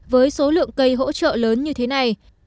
với số lượng cây hỗ trợ lớn như thế này